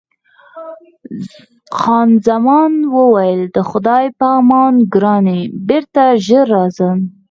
خان زمان وویل: د خدای په امان ګرانې، بېرته ژر راځم.